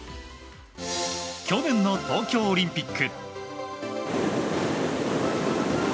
去年の東京オリンピック。